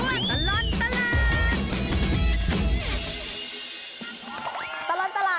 ช่วงตลอดตลาด